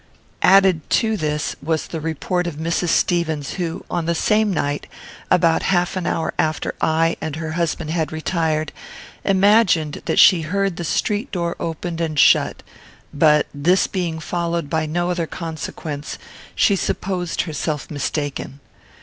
Added to this, was the report of Mrs. Stevens, who, on the same night, about half an hour after I and her husband had retired, imagined that she heard the street door opened and shut; but, this being followed by no other consequence, she supposed herself mistaken.